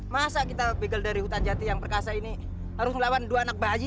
masa kita begel dari hutan jati yang perkasa ini harus melawan dua anak bayi